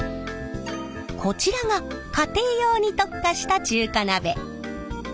こちらが家庭用に特化した中華鍋。